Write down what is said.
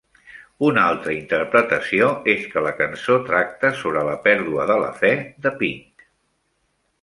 Un altra interpretació és que la cançó tracta sobre la pèrdua de la fe de "Pink".